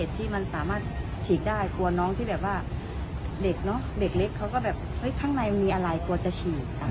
ที่มันสามารถฉีกได้กลัวน้องที่แบบว่าเด็กเนอะเด็กเล็กเขาก็แบบเฮ้ยข้างในมันมีอะไรกลัวจะฉีก